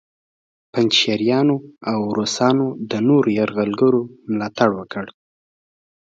پنجشیریانو د روسانو او نورو یرغلګرو ملاتړ وکړ